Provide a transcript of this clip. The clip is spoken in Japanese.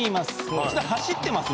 こっち側に走ってます